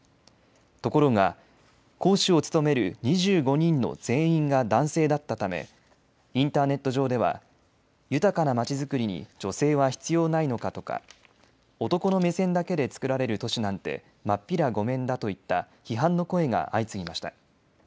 ところが、講師を務める２５人の全員が男性だったためインターネット上では豊かなまちづくりに女性は必要ないのか？とか男の目線だけで作られる都市なんてまっぴらごめんだといった批判の声が相次ぎました。